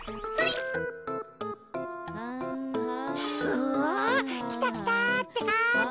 うわっきたきたってか。